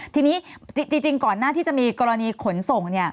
ทีนี้จริงก่อนหน้าที่จะมีกรณีขนส่ง